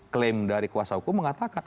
klaim dari kuasa hukum mengatakan